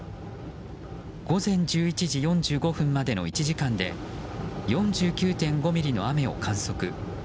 午前１１時４５分までの１時間で４９．５ミリの雨を観測。